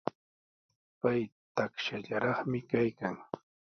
Pay takshallaraqmi kaykan.